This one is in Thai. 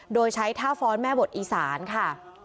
โดยใช้ท่าฟ้อนแม่บทอีสานค่ะ